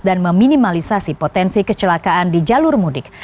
dan meminimalisasi potensi kecelakaan di jalur mudik